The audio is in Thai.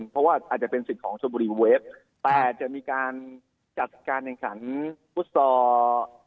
เพราะว่าอาจจะเป็นสิทธิ์ของชนบุรีเวฟแต่จะมีการจัดการแข่งขันฟุตซอล